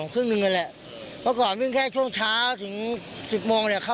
ครึ่งนึงแล้วครึ่งนึงนั่นแหละ